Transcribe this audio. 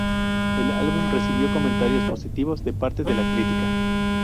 El álbum recibió comentarios positivos de parte de la crítica.